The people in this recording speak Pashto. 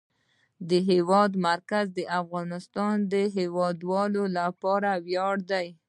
د هېواد مرکز د افغانستان د هیوادوالو لپاره ویاړ دی.